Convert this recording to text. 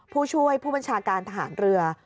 ผู้ช่วยผู้บัญชาการทหารเรือ